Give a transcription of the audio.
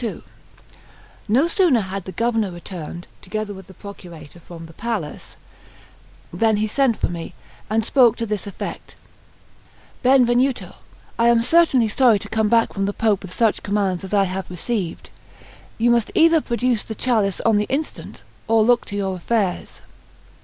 LXII NO sooner had the Governor returned, together with the Procurator, from the palace, than he sent for me, and spoke to this effect: "Benvenuto, I am certainly sorry to come back from the Pope with such commands as I have received; you must either produce the chalice on the instant, or look to your affairs."